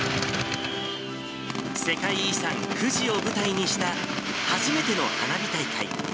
世界遺産、富士を舞台にした初めての花火大会。